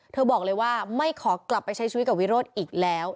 บอกเลยว่าไม่ขอกลับไปใช้ชีวิตกับวิโรธอีกแล้ว